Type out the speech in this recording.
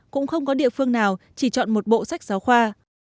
cũng không có địa phương nào chỉ chọn một bộ sách giáo khoa